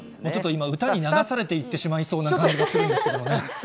今、歌に流されていってしまいそうな感じがするんですけれどもね。